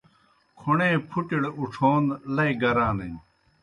کھوْݨے پُھٹِیْڑ اُڇھون لئی گرانِن۔